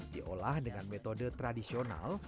diolah dengan metode tradisional